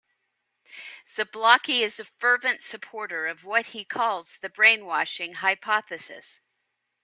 Zablocki is a fervent supporter of what he calls 'the brainwashing hypothesis'.